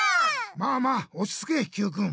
まあまあおちつけＱくん。